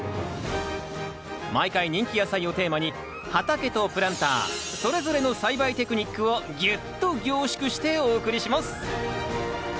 毎回人気野菜をテーマに畑とプランターそれぞれの栽培テクニックをギュッと凝縮してお送りします。